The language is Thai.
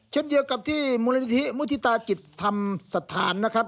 เช่นเดียวกับที่มธิตากิจธรรมสถานนะครับ